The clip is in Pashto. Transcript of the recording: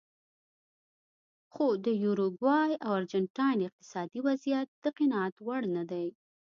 خو د یوروګوای او ارجنټاین اقتصادي وضعیت د قناعت وړ نه دی.